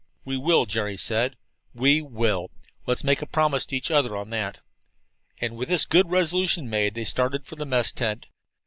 "We will," Jerry said. "We will. Let's make a promise to each other on that." And with this good resolution made, they started for the mess tent.